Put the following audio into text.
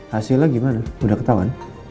hasilnya gimana udah ketahuan